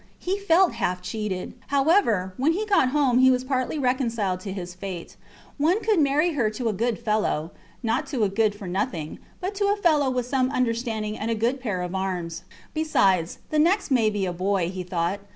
He felt half cheated. However, when he got home he was partly reconciled to his fate. One could marry her to a good fellow not to a good for nothing, but to a fellow with some understanding and a good pair of arms. Besides, the next may be a boy, he thought.